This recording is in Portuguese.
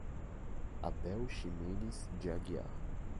Abel Ximenes de Aguiar